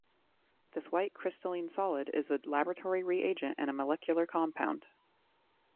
This white crystalline solid is a laboratory reagent and a molecular compound.